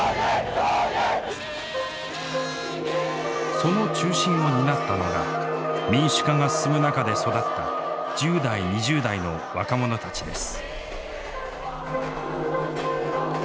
その中心を担ったのが民主化が進む中で育った１０代２０代の若者たちです。